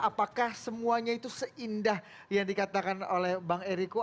apakah semuanya itu seindah yang dikatakan oleh bang eriko